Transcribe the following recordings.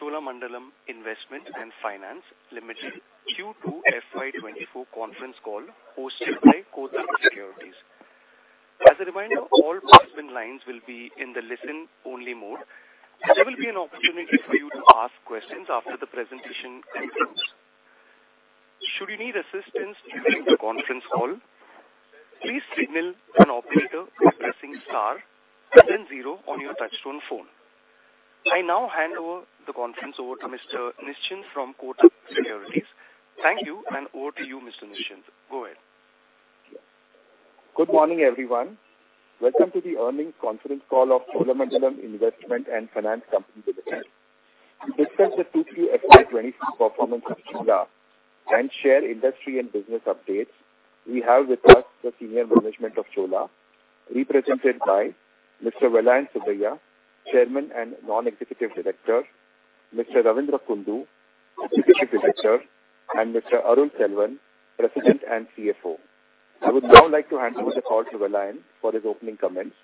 Ladies and gentlemen, we have lost management line connection. Please stay connected while we reconnect them. Ladies and gentlemen, thank you for patiently waiting. Good day, and welcome to Cholamandalam Investment and Finance Company Limited Q2 FY 2024 conference call hosted by Kotak Securities. As a reminder, all participant lines will be in the listen-only mode, and there will be an opportunity for you to ask questions after the presentation concludes. Should you need assistance during the conference call, please signal an operator by pressing star and then zero on your touchtone phone. I now hand over the conference over to Mr. Nischint from Kotak Securities. Thank you, and over to you, Mr. Nischint. Good morning, and sorry for the technical glitch. Just continuing, you know, we just 2024 performance of Chola. We have with us Mr. Vellayan Subbiah, Chairman and Non-Executive Director, Ravindra Kundu, Executive Director, and Arul Selvan, President and CFO. I would now like to hand over to Mr. Vellayan for his opening comments.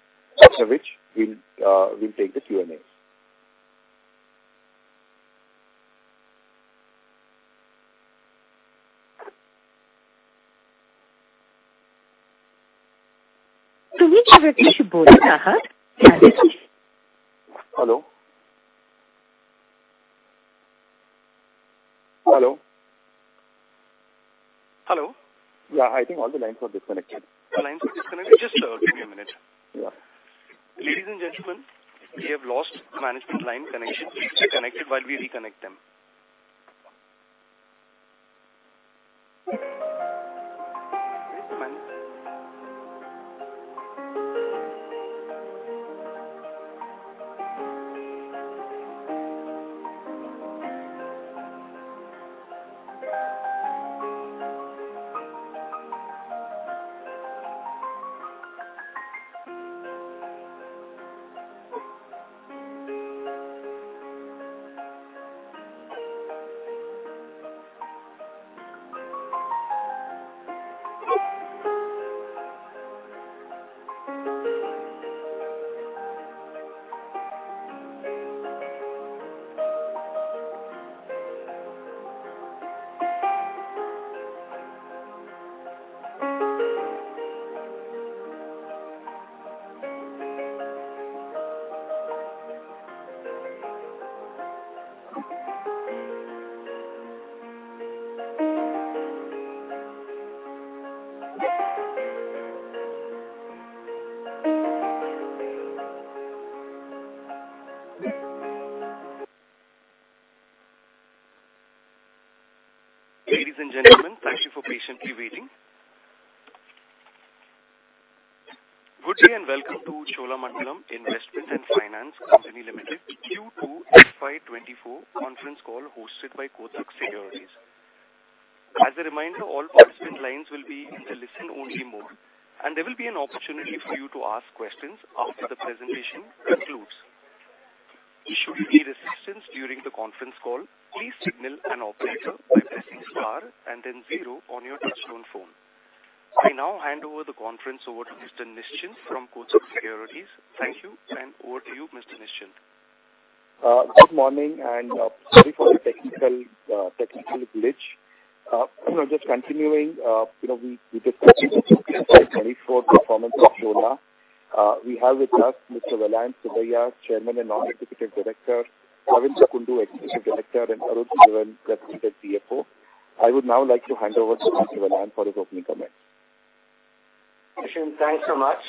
Thanks so much,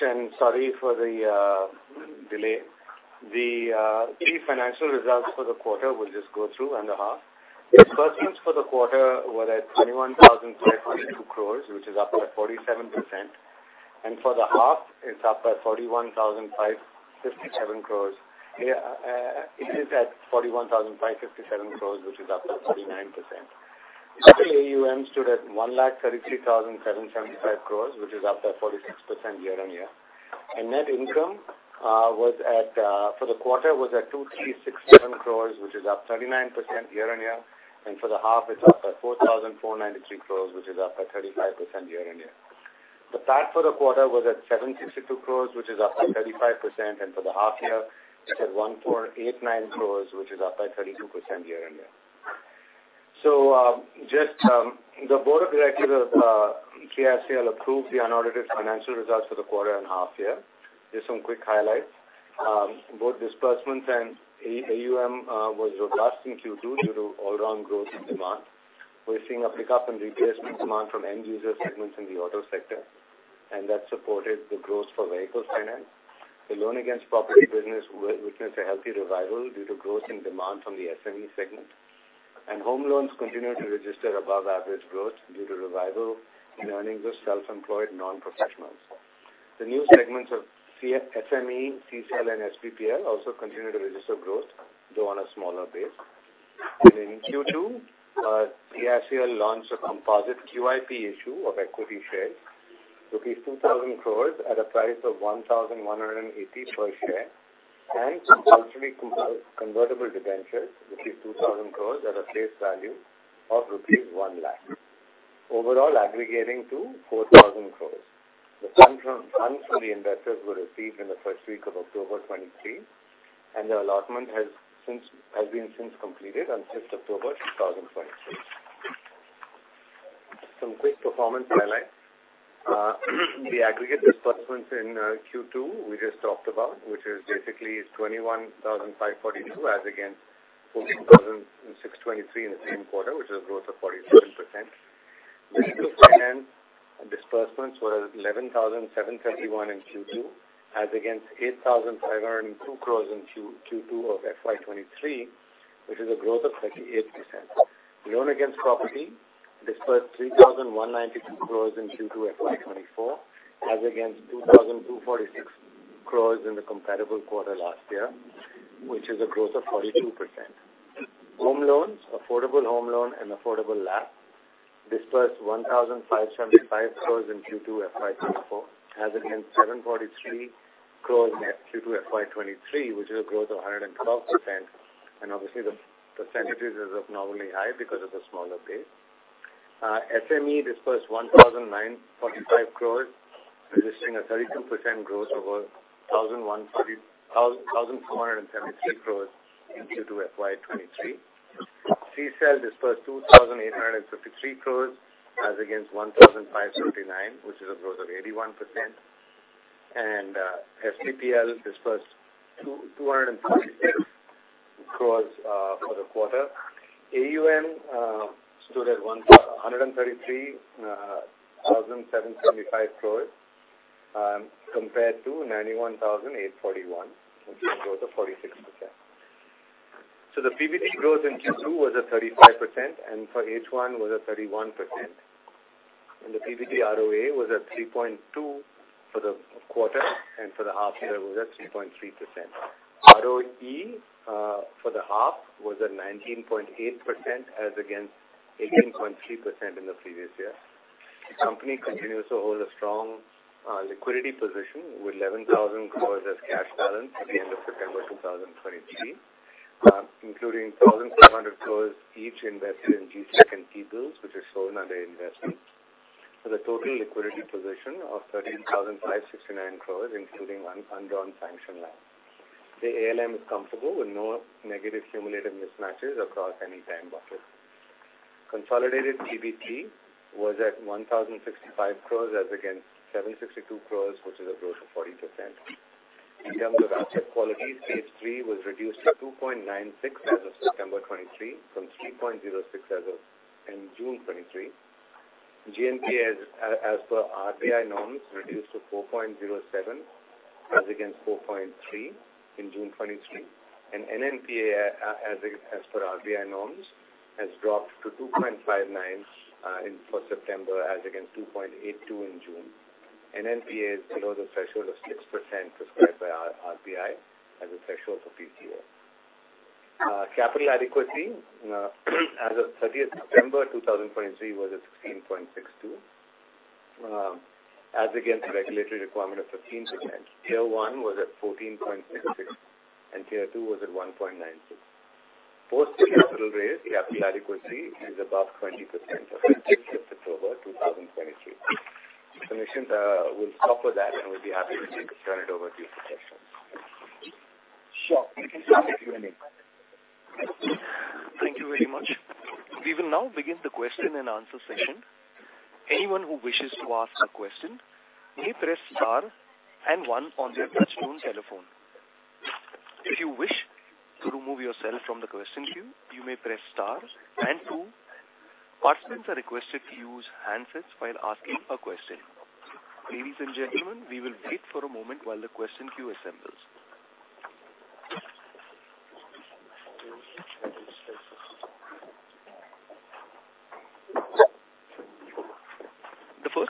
and sorry for the delay. The key financial results for the quarter, we'll just go through and a half. Disbursements for the quarter were at 21,502 crore, which is up 47%. And for the half, it's up by 41,557 crore. Yeah, it is at 41,557 crore, which is up 39%. Total AUM stood at 133,775 crore, which is up 46% year-on-year. And net income was at... For the quarter was at 2,367 crore, which is up 39% year-on-year, and for the half, it's up at 4,493 crore, which is up 35% year-on-year. The PAT for the quarter was at 762 crore, which is up by 35%, and for the half year, it is 1,489 crore, which is up by 32% year-on-year. Just, the board of directors of CIFCL approved the unaudited financial results for the quarter and half year. Just some quick highlights. Both disbursements and AUM was robust in Q2 due to all-around growth in demand. We're seeing a pickup in replacement demand from end-user segments in the auto sector, and that supported the growth for Vehicle Finance. The loan against property business witnessed a healthy revival due to growth in demand from the SME segment, and Home Loans continued to register above-average growth due to revival in earnings of self-employed non-professionals. The new segments of CSEL, SME, TSL, and SBPL also continued to register growth, though on a smaller base. In Q2, Chola launched a composite QIP issue of equity shares, 2,000 crore at a price of 1,180 per share, and compulsorily convertible debentures, which is 2,000 crore, at a face value of rupees 1 lakh. Overall, aggregating to 4,000 crore. The funds from the investors were received in the first week of October 2023, and the allotment has been completed on 5th October 2023. Some quick performance highlights. The aggregate disbursements in Q2, we just talked about, which is basically 21,542 crore, as against 14,623 crore in the same quarter, which is a growth of 47%. Disbursements were 11,731 crores in Q2, as against 8,502 crores in Q2 of FY 2023, which is a growth of 38%. Loan against property disbursed 3,192 crores in Q2 FY 2024, as against 2,246 crores in the comparable quarter last year, which is a growth of 42%. Home Loans, affordable Home Loan and affordable LAP disbursed INR 1,575 crores in Q2 FY 2024, as against 743 crores in Q2 FY 2023, which is a growth of 112%, and obviously, the percentages is abnormally high because of the smaller base. SME disbursed 1,945 crores, registering a 32% growth over 1,473 crores in Q2 FY 2023. CSEL disbursed 2,853 crore as against 1,579, which is a growth of 81%. And SBPL disbursed 240 crore for the quarter. AUM stood at 133,775 crore, compared to 91,841, which is a growth of 46%. So the PBT growth in Q2 was at 35%, and for H1 was at 31%, and the PBT ROA was at 3.2% for the quarter, and for the half year was at 3.3%. ROE for the half was at 19.8%, as against 18.3% in the previous year. The company continues to hold a strong liquidity position with 11,000 crore as cash balance at the end of September 2023, including 1,400 crore each invested in G-Sec and T-bills, which are shown under investments. So the total liquidity position of 13,569 crore, including undrawn sanction limit. The ALM is comfortable with no negative cumulative mismatches across any time bucket. Consolidated PBT was at 1,065 crore as against 762 crore, which is a growth of 40%. In terms of asset quality, stage three was reduced to 2.96% as of September 2023, from 3.06% as of June 2023. GNPA as per RBI norms reduced to 4.07%, as against 4.3% in June 2023. NNPA, as per RBI norms, has dropped to 2.59%, in for September, as against 2.82% in June. NNPA is below the threshold of 6% prescribed by RBI as a threshold for PCA. Capital adequacy, as of 30th September 2023, was at 16.62%, as against the regulatory requirement of 15%. Tier one was at 14.66%, and tier two was at 1.96%. Post the capital raise, the capital adequacy is above 20% for 5th October 2023. So Nischint, we'll stop with that, and we'll be happy to turn it over to you for questions. Sure. Thank you very much. We will now begin the question and answer session. Anyone who wishes to ask a question may press star and one on their touch-tone telephone. If you wish to remove yourself from the question queue, you may press star and two. Participants are requested to use handsets while asking a question. Ladies and gentlemen, we will wait for a moment while the question queue assembles.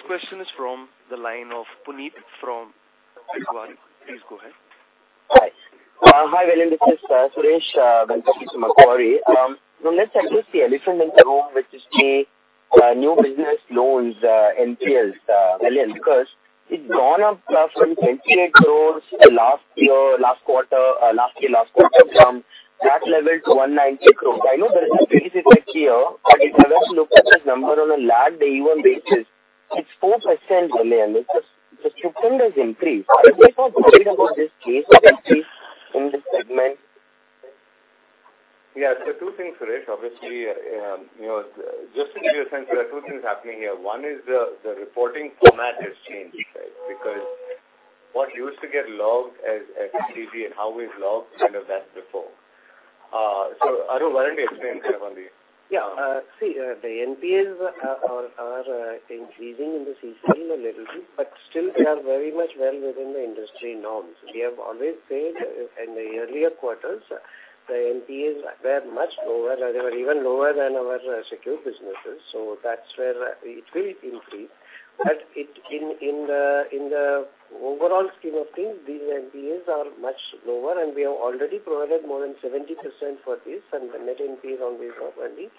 The first question is from the line of Puneet from Macquarie. Please go ahead. Hi. Hi, Vellayan. This is Suresh from Macquarie. So let's address the elephant in the room, which is the new business loans NPLs, Vellayan, because it's gone up from 28 crore last year last quarter last year last quarter from that level to 190 crore. I know there is a base effect here, but if I were to look at this number on a llagged AUM basis, it's 4% Vellayan. It's a stupendous increase. Are you not worried about this case increase in this segment? Yeah, so two things, Suresh. Obviously, you know, just to give you a sense, there are two things happening here. One is the reporting format has changed, right? Because what used to get logged as CG and how we've logged, you know, that before. So Arul, why don't you explain here on this? Yeah, see, the NPAs are increasing in the CC a little bit, but still they are very much well within the industry norms. We have always said in the earlier quarters, the NPAs, they are much lower, and they were even lower than our secured businesses. So that's where it will increase. But in the overall scheme of things, these NPAs are much lower, and we have already provided more than 70% for this, and the net NPA is always properly,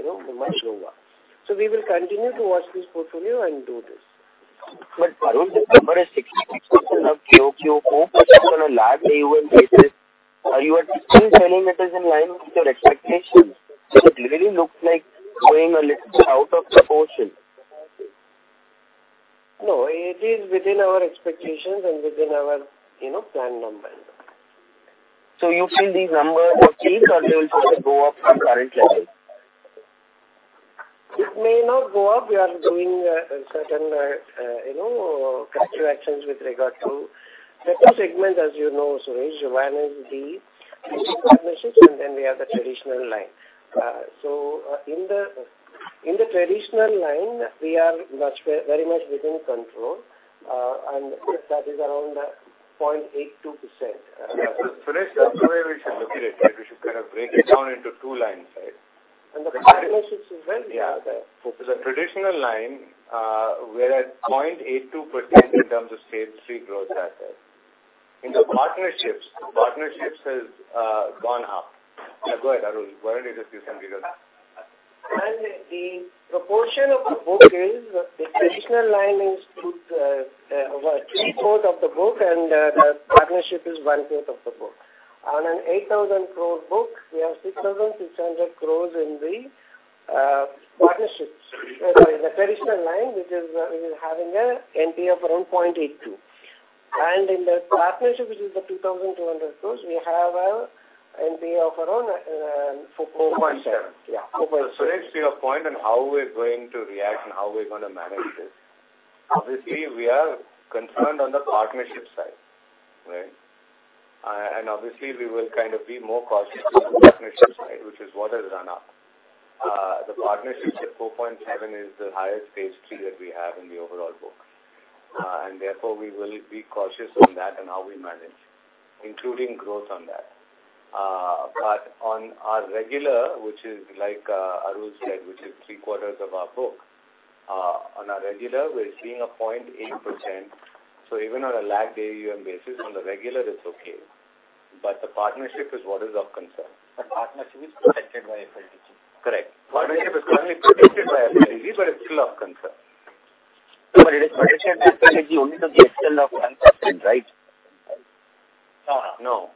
you know, much lower. So we will continue to watch this portfolio and do this. But Arul, December is 66% of QOQ, 4% on a last day even basis. Are you still telling it is in line with your expectations? So it really looks like going a little out of proportion. No, it is within our expectations and within our, you know, plan number. You feel these numbers will change or they will go up from current level? It may not go up. We are doing a certain, you know, corrective actions with regard to different segments, as you know, Suresh. One is the partnerships, and then we have the traditional line. So, in the, in the traditional line, we are much, very much within control, and that is around 0.82%. Suresh, the way we should look at it, right? We should kind of break it down into two lines, right? The partnerships is well. Yeah. The traditional line, we're at 0.82% in terms of Stage Three gross assets. In the partnerships, partnerships has gone up. Go ahead, Arul. Why don't you just give some details? The proportion of the book is the traditional line is put 3/4 of the book, and the partnership is 1/4 of the book. On an 8,000 crore book, we have 6,600 crore in the traditional line, which is we are having a NPA of around 0.82%. And in the partnership, which is the 2,200 crore, we have a NPA of around 4.7%. Yeah, 4.7%. Suresh, to your point on how we're going to react and how we're gonna manage this, obviously, we are concerned on the partnership side, right? And obviously, we will kind of be more cautious on the partnership side, which is what has run up. The partnership at 4.7% is the highest Stage Three that we have in the overall book. And therefore, we will be cautious on that and how we manage, including growth on that. But on our regular, which is like, Arul said, which is 3/4 of our book, on our regular, we're seeing a 0.8%. So even on a lagged AUM basis, on the regular, it's okay. But the partnership is what is of concern. The partnership is protected by FLDG. Correct. Partnership is currently protected by FLDG, but it's still of concern. It is protected by FLDG only to the extent of 1%, right? No.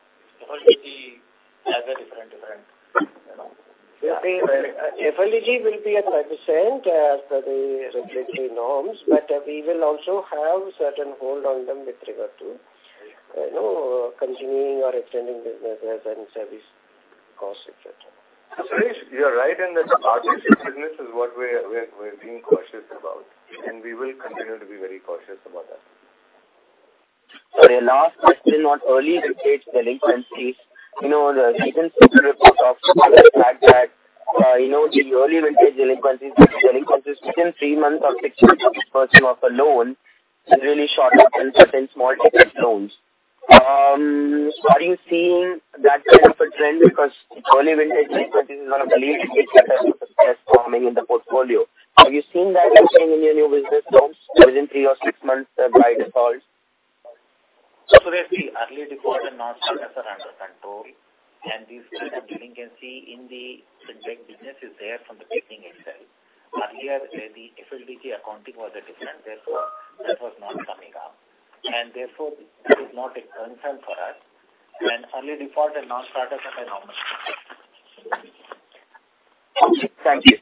FLDG has a different, you know. FLDG will be at 5%, per the regulatory norms, but we will also have certain hold on them with regard to, you know, continuing or extending the service cost, et cetera. Suresh, you are right, and that the partnership business is what we're being cautious about, and we will continue to be very cautious about that. So the last question on early vintage delinquencies, you know, the recent report talks about the fact that, you know, the early vintage delinquencies, delinquencies within three months or six months of a loan, really shot up in certain small ticket loans. Are you seeing that kind of a trend? Because early vintage delinquencies is one of the leading indicators of stress forming in the portfolio. Have you seen that trend in any of your business loans within three or six months by default? Suresh, the early default and non-starters are under control, and the delinquency in the fintech business is there from the beginning itself. Earlier, the FLDG accounting was different, therefore, that was not coming up. Therefore, that is not a concern for us. Early default and non-starters are enormous. Thank you.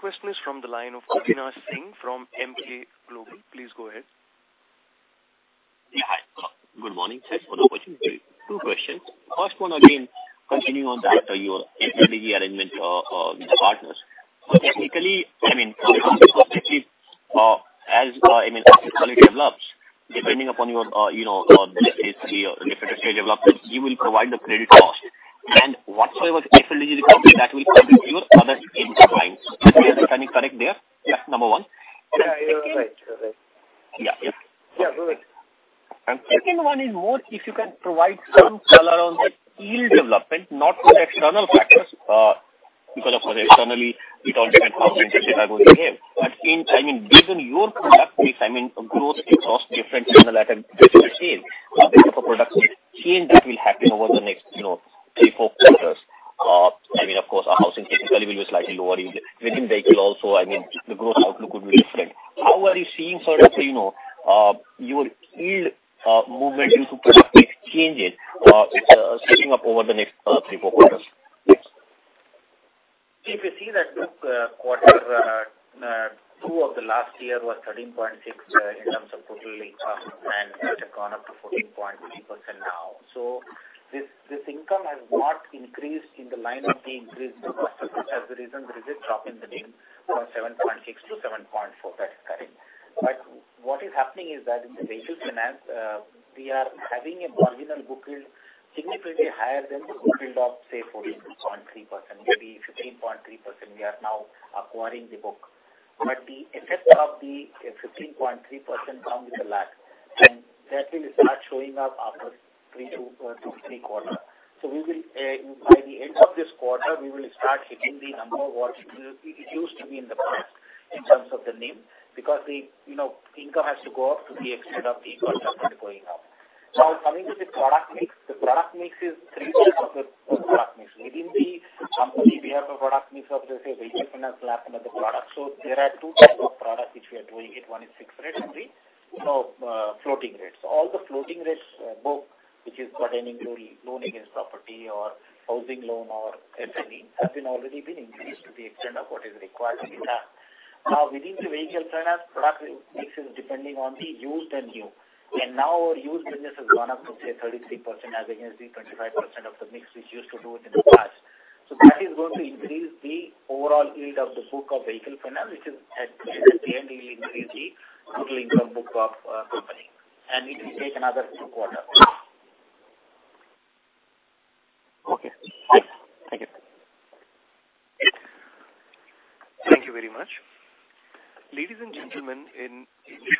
Thank you. The next question is from the line of Avinash Singh from Emkay Global. Please go ahead. Yeah, hi. Good morning. Thanks for the question. Two questions. First one, again, continuing on that, your FLDG arrangement with the partners. Technically, I mean, as I mean, as the quality develops, depending upon your, you know, the stage three or different stage development, you will provide the credit cost. And whatsoever the FLDG recovery that will come to your other end lines. Am I getting correct there? That's number one. Yeah, you are right. You're right. Yeah. Yeah, go ahead. Second one is, more if you can provide some color on the yield development, not with external factors, because of course, externally it all depends on what we have. But I mean, given your product mix, I mean, growth exhaust different channel at a specific scale, based on the product change that will happen over the next, you know, three, four quarters. I mean, of course, our housing technically will be slightly lower. Within vehicle also, I mean, the growth outlook would be different. How are you seeing sort of, you know, your yield movement due to product mix changes shaping up over the next three, four quarters? If you see that the quarter two of the last year was 13.6% in terms of total income, and it has gone up to 14.3% now. So this income has not increased in the line of the increased cost, which is the reason there is a drop in the NIM from 7.6% to 7.4%. That is correct. But what is happening is that in the Vehicle Finance, we are having a marginal book yield significantly higher than the book yield of, say, 14.3%, maybe 15.3%. We are now acquiring the book. But the effect of the 15.3% comes with a lag, and that will start showing up after two-three quarters. So we will, by the end of this quarter, we will start hitting the number what it, it used to be in the past in terms of the NIM, because the, you know, income has to go up to the extent of the cost that is going up. So coming to the product mix, the product mix is three types of product mix. Within the company, we have a product mix of, let's say, Vehicle Finance and another product. So there are two types of products which we are doing it. One is fixed rate and the, you know, floating rates. All the floating rates book, which is pertaining to loan against property or housing loan or SME, has been already been increased to the extent of what is required to be done. Now, within the Vehicle Finance, product mix is depending on the used and new, and now our used business has gone up to, say, 33% as against the 25% of the mix which used to do it in the past. So that is going to increase the overall yield of the book of Vehicle Finance, which is at the end will increase the total income book of company, and it will take another two quarters. Okay. Thank you. Thank you very much. Ladies and gentlemen, in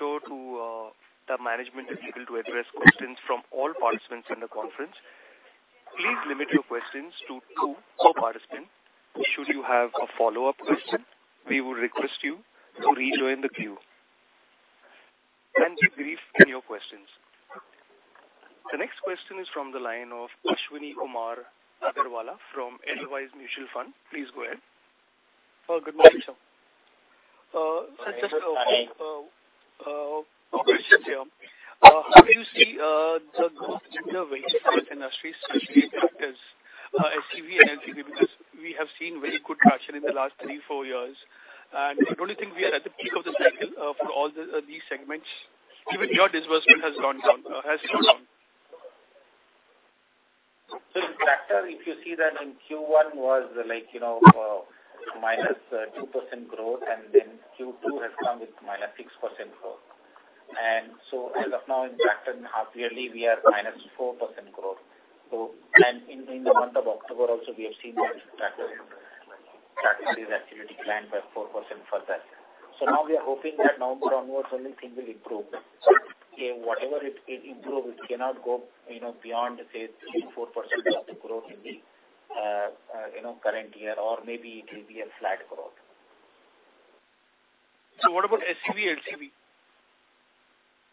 order to, the management is able to address questions from all participants in the conference, please limit your questions to two per participant. Should you have a follow-up question, we will request you to rejoin the queue, and be brief in your questions. The next question is from the line of Ashwani Kumar Agarwalla from Edelweiss Mutual Fund. Please go ahead. Good morning, sir. Just two questions here. How do you see the growth in the Vehicle Finance industry, especially as tractors HCV and LCV, because we have seen very good traction in the last three, four years. Don't you think we are at the peak of the cycle for all these segments? Even your disbursement has gone down, has slowed down. So in tractor, if you see that in Q1 was like, you know, -2% growth, and then Q2 has come with -6% growth. So as of now, in tractor, in half yearly, we are -4% growth. So and in the month of October also, we have seen that tractor is actually declined by 4% further. So now we are hoping that number onwards, only thing will improve. So whatever it improve, it cannot go, you know, beyond, say, 3%-4% of the growth in the current year, or maybe it will be a flat growth. So what about HCV, LCV?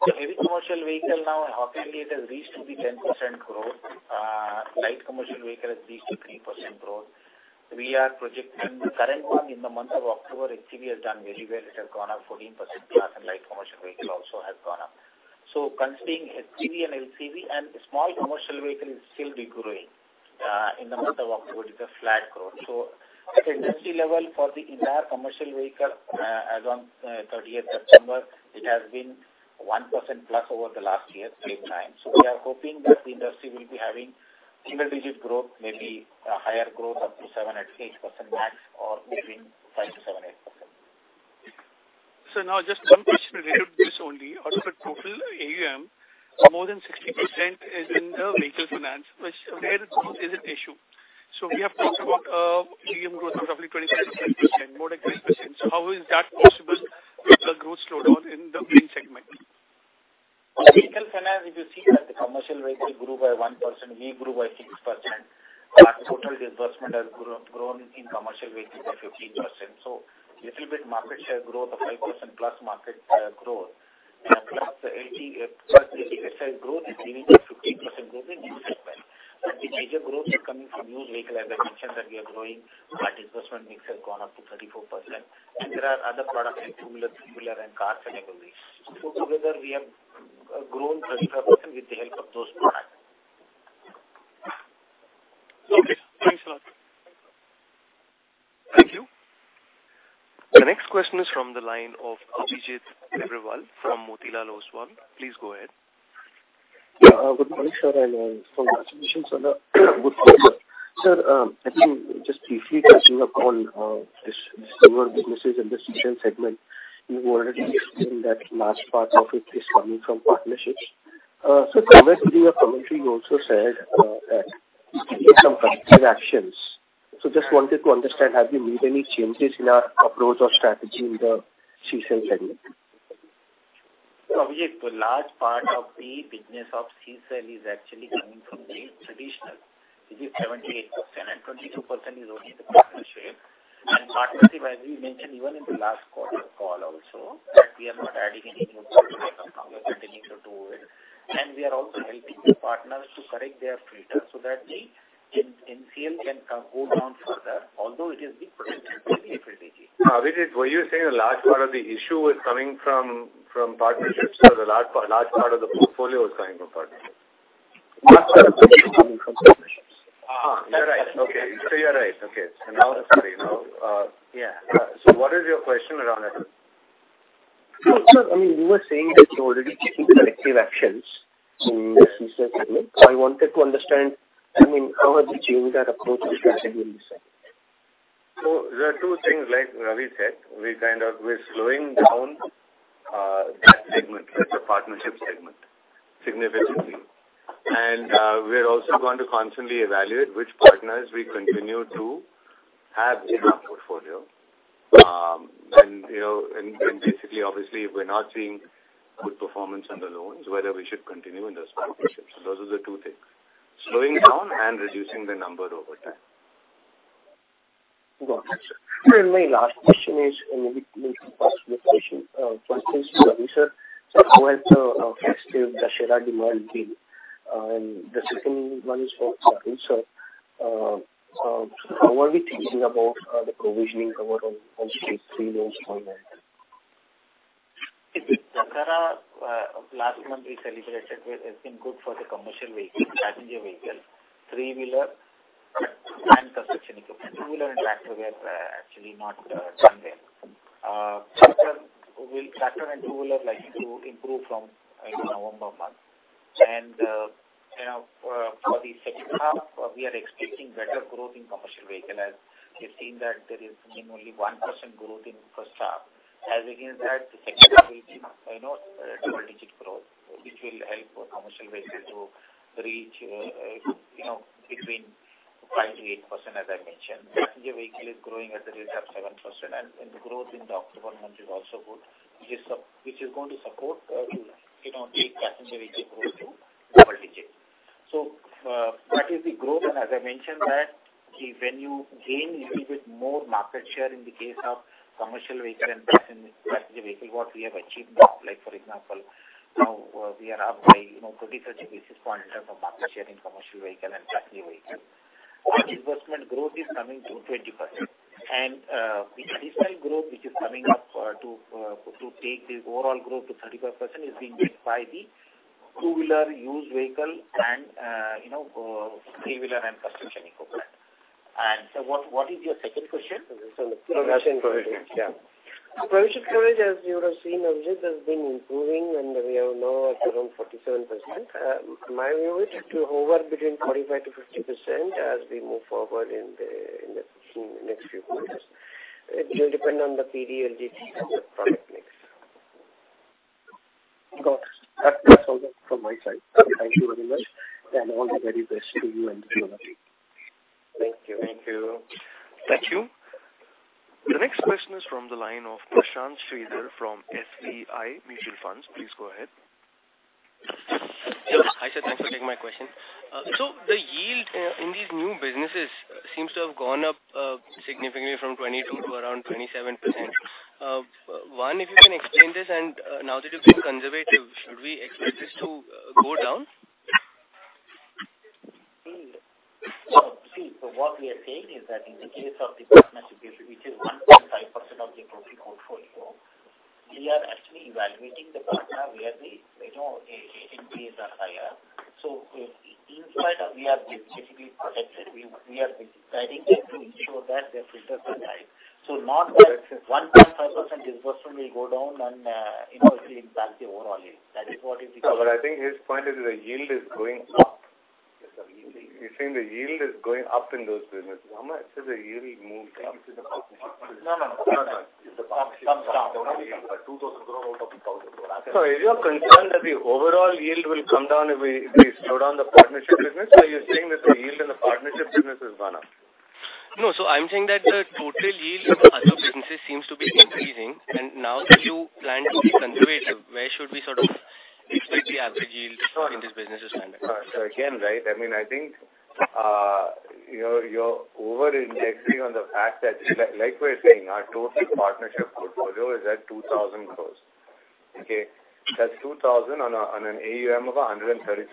So heavy commercial vehicle now, and half yearly, it has reached to be 10% growth. Light commercial vehicle has reached to 3% growth. We are projecting the current one in the month of October, HCV has done very well. It has gone up 14%+, and light commercial vehicle also has gone up. So considering HCV and LCV and small commercial vehicle is still degrowing, in the month of October, it is a flat growth. So at industry level, for the entire commercial vehicle, as on 30th September, it has been 1%+ over the last year, three times. So we are hoping that the industry will be having single-digit growth, maybe a higher growth, up to 7%-8% max, or maybe 5%-7%, 8%. So now just one question related to this only. Out of the total AUM, more than 60% is in the Vehicle Finance, which there is, is an issue. So we have talked about AUM growth of roughly 26%-27%, more than 20%. So how is that possible with the growth slowdown in the main segment? On a Vehicle Finance, if you see that the commercial vehicle grew by 1%, we grew by 6%. Our total disbursement has grown in commercial vehicle by 15%. So little bit market share growth of 5% plus market growth. Plus the AT plus the growth is giving us 15% growth in new segment. The major growth is coming from new vehicle. As I mentioned that we are growing, our disbursement mix has gone up to 34%. And there are other products like two-wheeler, three-wheeler, and car categories. So together, we have grown 35% with the help of those products. Okay. Thanks a lot. Thank you. The next question is from the line of Abhijit Agarwal from Motilal Oswal. Please go ahead. Yeah, good morning, sir, and congratulations on a good quarter. Sir, I think just briefly catching up on this, several businesses in the CSEL segment, you've already explained that last part of it is coming from partnerships. So coming to your commentary, you also said that some corrective actions. So just wanted to understand, have you made any changes in our approach or strategy in the CSEL segment? Abhijit, the large part of the business of CSEL is actually coming from the traditional, which is 78%, and 22% is only the partnership. Partnership, as we mentioned, even in the last quarter call also, that we are not adding any new partner. We are continuing to do it, and we are also helping the partners to correct their filters so that the NPL can come down further, although it is being corrected significantly. Abhijit, were you saying a large part of the issue is coming from, from partnerships, or the large part, large part of the portfolio is coming from partnerships? Large part of the coming from partnerships. You're right. Okay. So you're right. Okay. So now, sorry. Now, yeah. So what is your question around that? Sir, I mean, you were saying that you're already taking corrective actions in this CSEL segment. So I wanted to understand, I mean, how are you changing that approach to CSEL segment? So there are two things like Ravi said. We kind of... We're slowing down that segment, that's a partnership segment, significantly. And we're also going to constantly evaluate which partners we continue to have in our portfolio. And, you know, basically, obviously, if we're not seeing good performance on the loans, whether we should continue in those partnerships. So those are the two things, slowing down and reducing the number over time. Got it, sir. And my last question is, and maybe first question, questions to Dussehra. So how has the festival Dussehra demand been? And the second one is for Sunil, sir. So how are we thinking about the provisioning cover on Stage Three loans online? Dussehra, last month we celebrated, it has been good for the commercial vehicle, passenger vehicle, three-wheeler and construction equipment. Two-wheeler and tractor were, actually not, done there. Tractor and two-wheeler are likely to improve from, November month. And, you know, for the second half, we are expecting better growth in commercial vehicle. As you've seen that there is only 1% growth in first half. As against that, the second half will be, you know, double-digit growth, which will help commercial vehicle to reach, you know, between 5%-8%, as I mentioned. Passenger vehicle is growing at the rate of 7%, and the growth in the October month is also good, which is, which is going to support, you know, the passenger vehicle growth to double digits. So, that is the growth, and as I mentioned that, when you gain a little bit more market share in the case of commercial vehicle and passenger, passenger vehicle, what we have achieved now, like, for example, now we are up by, you know, 30 basis points in terms of market share in commercial vehicle and passenger vehicle. Disbursement growth is coming to 20%. And, the additional growth which is coming up, to take the overall growth to 35% is being led by the two-wheeler used vehicle and, you know, three-wheeler and construction equipment. And so what is your second question? Provision coverage. Yeah. Provision coverage, as you would have seen, Abhijit, has been improving, and we are now at around 47%. My view is to hover between 45%-50% as we move forward in the next few quarters. It will depend on the PD LGD and the product mix. Got it. That's all from my side. Okay. Thank you very much, and all the very best to you and your team. Thank you. Thank you. Thank you. The next question is from the line of Prashanth Sridhar from SBI Mutual Funds. Please go ahead. Hi, sir. Thanks for taking my question. So the yield in these new businesses seems to have gone up significantly from 20% to around 27%. One, if you can explain this, and now that you've been conservative, should we expect this to go down? So, see, so what we are saying is that in the case of the partnership, which is 1.5% of the total portfolio, we are actually evaluating the partner, where the, you know, NPAs are higher. So in spite of we are basically protected, we, we are guiding it to ensure that the filters are high. So not that 1.5% disbursement will go down and impact the overall yield. That is what is the- No, but I think his point is that the yield is going up. Yes, sir. He's saying the yield is going up in those businesses. How much does the yield move up? No, no. No, no. So, are you concerned that the overall yield will come down if we, we slow down the partnership business, or you're saying that the yield in the partnership business has gone up? No. So I'm saying that the total yield of other businesses seems to be increasing, and now that you plan to be conservative, where should we sort of expect the average yield in this business to stand? So again, right, I mean, I think, you know, you're over indexing on the fact that, like we're saying, our total partnership portfolio is at 2,000 crore. Okay? That's 2,000 crore on an AUM of 133,000 crore,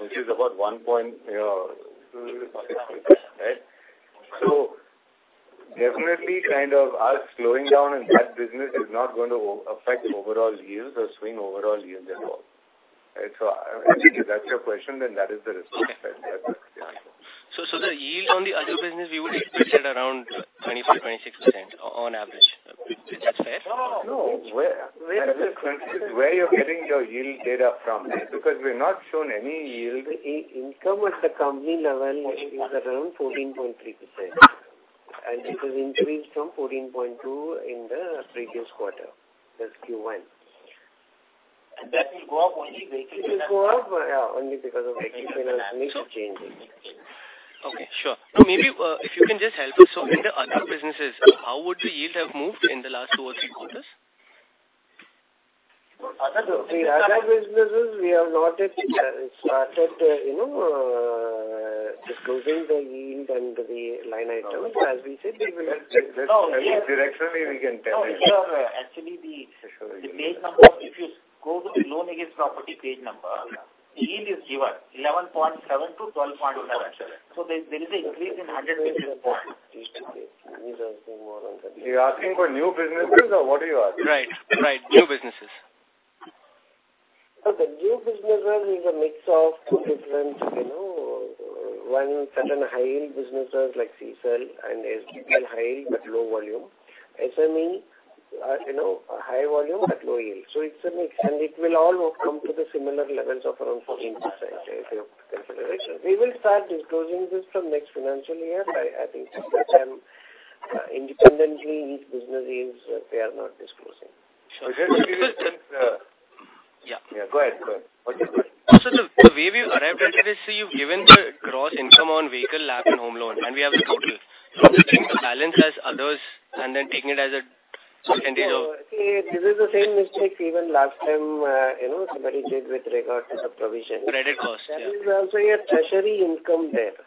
which is about 1 point, right? So definitely kind of us slowing down in that business is not going to affect overall yields or swing overall yields at all. Right. So if that's your question, then that is the response. So, the yield on the other business, we would expect it around 24%-26% on average. Is that fair? No. Where, where are you getting your yield data from? Because we've not shown any yield. The income at the company level is around 14.3%, and this has increased from 14.2% in the previous quarter, that's Q1. And that will go up only because it will go up, only because of the mix changing. Okay, sure. So maybe, if you can just help us. So in the other businesses, how would the yield have moved in the last two or three quarters? Other, the other businesses, we have not yet started, you know, disclosing the yield and the line items. As we said, we will- Actually, we can tell you. Actually, the page number, if you go to loan against property page number, yield is given 11.7%-12.7%. So there is a increase in 100 basis points. You're asking for new businesses, or what are you asking? Right. Right, new businesses. So the new businesses is a mix of two different, you know, one certain high-yield businesses like CSEL and SBPL high yield but low volume. SME are, you know, high volume but low yield. So it's a mix, and it will all come to the similar levels of around 14%, if you have consideration. We will start disclosing this from next financial year. I, I think independently, each business is, they are not disclosing. Sure. Yeah. Go ahead. Go ahead. Okay, go ahead. So the way we arrived at it is, so you've given the gross income on vehicle, LAP, and Home Loan, and we have the total. The balance as others, and then taking it as a- This is the same mistake even last time, you know, somebody did with regard to the provision. Credit cost, yeah. There is also a treasury income there.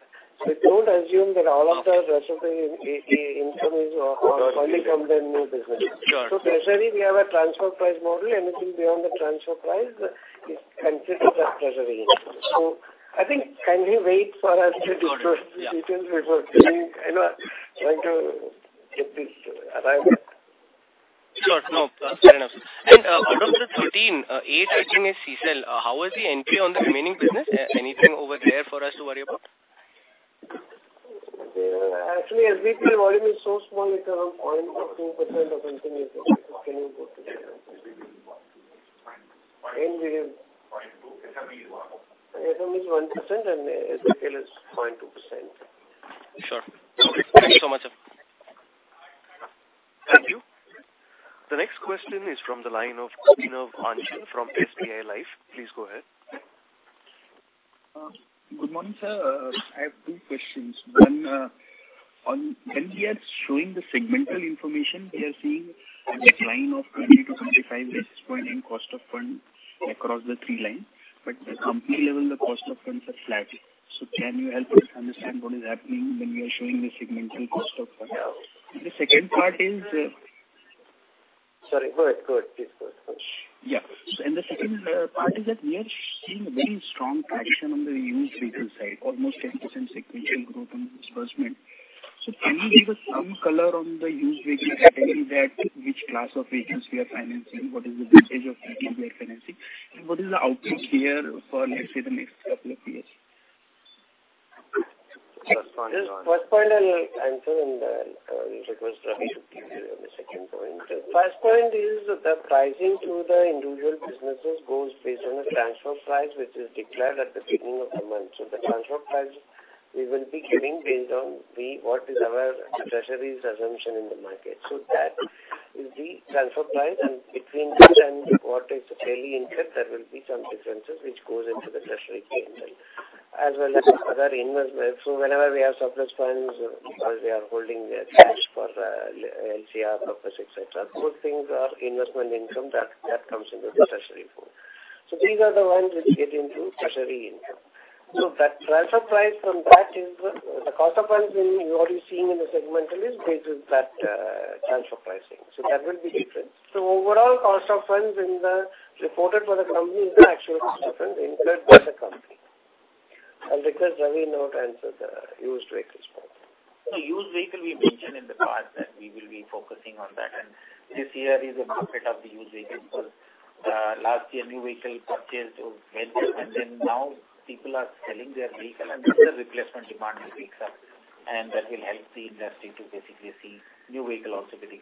So don't assume that all of the rest of the income is only from the new business. Sure. So, treasury, we have a transfer price model. Anything beyond the transfer price is considered as treasury income. So, I think, can we wait for us to disclose- Got it, yeah. the details before giving, you know, trying to get this arrival? Sure. No, fair enough. And, out of the 13, eight are touching a CSEL, how is the entry on the remaining business? Anything over there for us to worry about? Actually, SBPL volume is so small, it's around 0.2% or something. It is 1% and SBPL is 0.2%. Sure. Thank you so much, sir. Thank you. The next question is from the line of Abhinav Anchal from SBI Life. Please go ahead. Good morning, sir. I have two questions. One, on when we are showing the segmental information, we are seeing a decline of 20-25 basis points in cost of funds across the three lines, but the company level, the cost of funds are flat. So can you help us understand what is happening when we are showing the segmental cost of funds? Yeah. The second part is, Sorry, go ahead. Go ahead, please go ahead. Yeah. And the second part is that we are seeing very strong traction on the used vehicle side, almost 10% sequential growth in disbursement. So can you give us some color on the used vehicles, tell me that which class of vehicles we are financing, what is the percentage of vehicles we are financing, and what is the outlook here for, let's say, the next couple of years? First point, I will answer and I will request Ravi to give you on the second point. First point is the pricing to the individual businesses goes based on the transfer price, which is declared at the beginning of the month. So the transfer price, we will be giving based on what is our treasury's assumption in the market. So that will be transfer price, and between this and what is the daily interest, there will be some differences which goes into the treasury change, as well as other investment. So whenever we have surplus funds, because we are holding the cash for LCR purpose, et cetera, those things are investment income that that comes into the treasury pool. So these are the ones which get into treasury income. So that transfer price from that is the cost of funds in what you're seeing in the segmental is based on that, transfer pricing. So that will be different. So overall, cost of funds in the reported for the company is actually different, incurred by the company. I'll request Ravi now to answer the used vehicles point. So used vehicle, we mentioned in the past that we will be focusing on that, and this year is a market of the used vehicle. Last year, new vehicle purchase was venture, and then now people are selling their vehicle, and this is a replacement demand which wakes up, and that will help the industry to basically see new vehicle also getting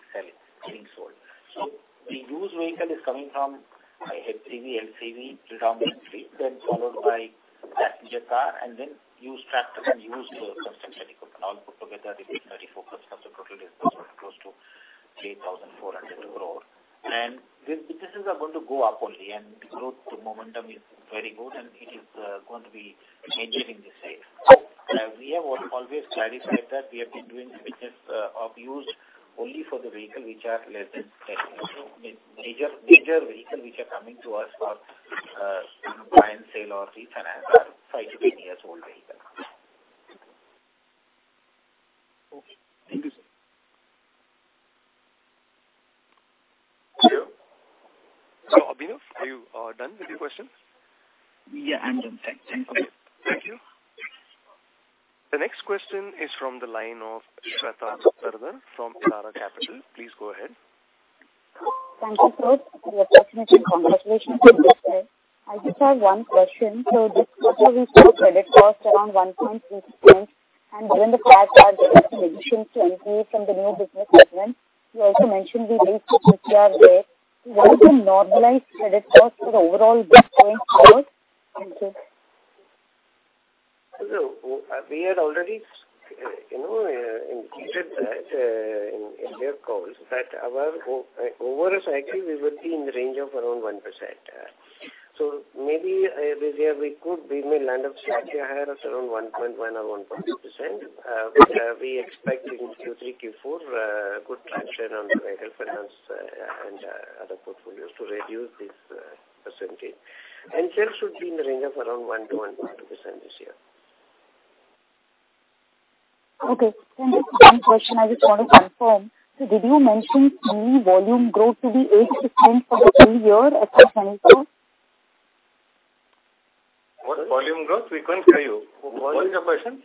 sold. So the used vehicle is coming from HCV, LCV predominantly, then followed by passenger car and then used tractor and used construction equipment. All put together, it is 34% of the total disbursement, close to 3,400 crore. And these businesses are going to go up only, and growth momentum is very good, and it is going to be changing in this side. We have always clarified that we have been doing business of used only for the vehicle, which are less than 10. So major, major vehicle which are coming to us for buy and sell or refinance are five-10 years old vehicle. Okay. Thank you, sir. So, Abhinav, are you done with your questions? Yeah, I'm done. Thank you. Okay. Thank you. The next question is from the line of Shweta Daptardar from Elara Capital. Please go ahead. Thank you, sir. Congratulations on this day. I just have one question. So this quarter, we saw credit cost around 1.6%, and during the fact that in addition to increase from the new business segment, you also mentioned the links which are there. What is the normalized credit cost for the overall business going forward? Thank you. So we had already, you know, indicated that, in, in their calls, that our over a cycle, we will be in the range of around 1%. So maybe, we, we could, we may land up slightly higher at around 1.1% or 1.2%. We, we expect in Q3, Q4, good traction on the Vehicle Finance, and, other portfolios to reduce this, percentage. And sales should be in the range of around 1%-1.2% this year. Okay. Just one question I just want to confirm. Did you mention TV volume growth to be 8% for the full year at this point? What volume growth? We couldn't hear you. What is the question?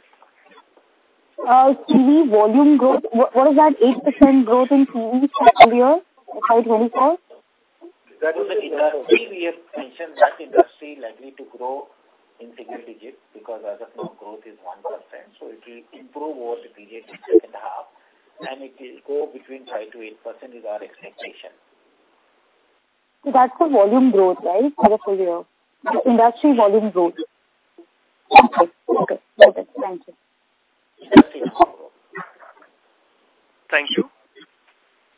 TV volume growth. What was that 8% growth in TV for earlier, for 2024? That is, in our previous mention, that industry likely to grow in single digits, because as of now, growth is 1%. So it will improve over the period of second half, and it will go between 5%-8% is our expectation. So that's the volume growth, right, for the full year? The industry volume growth. Okay. Okay. Thank you. Thank you. Thank you.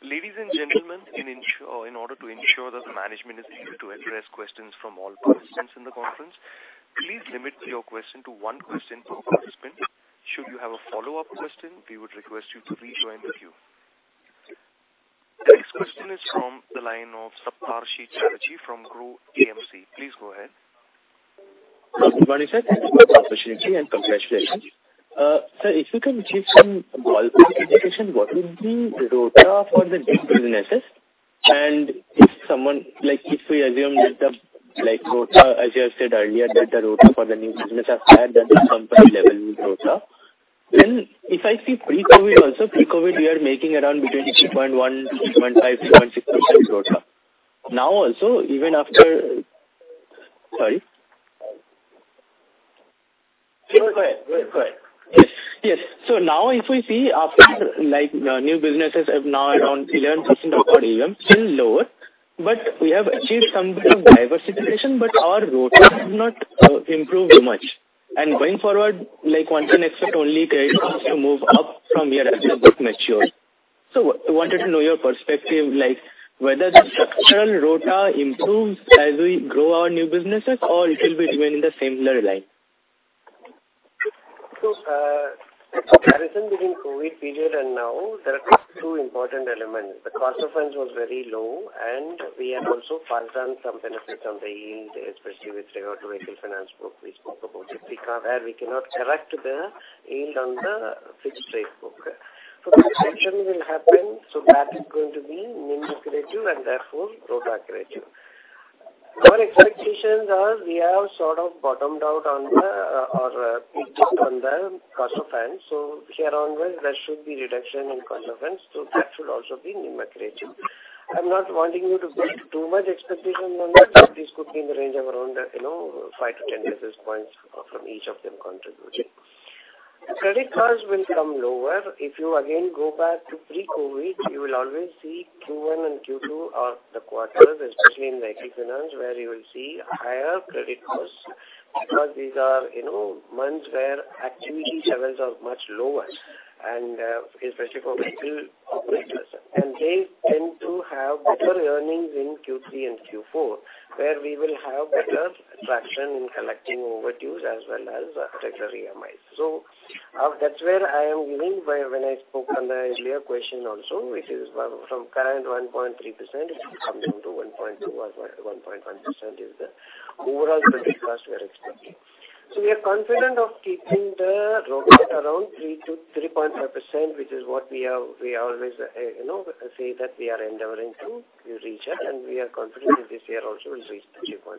Ladies and gentlemen, in order to ensure that the management is able to address questions from all participants in the conference, please limit your question to one question per participant. Should you have a follow-up question, we would request you to rejoin the queue. The next question is from the line of Saptarshee Chatterjee from Groww Mutual Fund. Please go ahead. Good morning, sir. Thanks for the opportunity and congratulations. So if you can give some ballpark indication, what will be the ROA for the new businesses? And if someone, like, if we assume that the, like, ROA, as you have said earlier, that the ROA for the new business are higher than the company level ROA, then if I see pre-COVID also, pre-COVID, we are making around between 3.1%, 3.5%, 3.6% ROA. Now also, even after—Sorry. Go ahead. Go ahead. Yes. Yes. So now if we see after, like, new businesses are now around 11% of our AUM, still lower, but we have achieved some bit of diversification, but our ROA has not, improved much. And going forward, like, one can expect only credit costs to move up from here as your book matures. I wanted to know your perspective, like, whether the structural ROA improves as we grow our new businesses, or it will be remaining in the similar line? So, the comparison between COVID period and now, there are two important elements. The cost of funds was very low, and we have also passed on some benefits on the yield, especially with regard to Vehicle Finance book. We spoke about it, because where we cannot correct the yield on the fixed rate book. So this section will happen, so that is going to be NIM creative and therefore, ROA creative. Our expectations are we have sort of bottomed out on the, or peaked on the cost of funds. So here onwards, there should be reduction in cost of funds, so that should also be NIM creative. I'm not wanting you to build too much expectation on that. This could be in the range of around, you know, 5-10 basis points from each of them contributing. Credit costs will come lower. If you again go back to pre-COVID, you will always see Q1 and Q2 are the quarters, especially in Vehicle Finance, where you will see higher credit costs, because these are, you know, months where activity levels are much lower, and especially for vehicle operators. And they tend to have better earnings in Q3 and Q4, where we will have better traction in collecting overdues as well as regular EMIs. So, that's where I am meaning by when I spoke on the earlier question also, which is from current 1.3%, it will come down to 1.2% or 1.1% is the overall credit cost we are expecting. So we are confident of keeping the ROA around 3%-3.5%, which is what we have... We always, you know, say that we are endeavoring to reach it, and we are confident that this year also will reach the 3.5%.